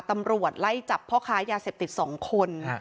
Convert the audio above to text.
ตำรวจไล่จับพ่อค้ายาเสพติด๒คน